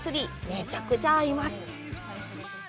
めちゃくちゃ合います。